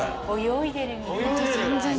泳いでる。